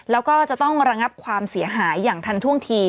แล้วก็จะต้องระงับความเสียหายอย่างทันท่วงที